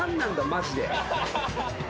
マジで。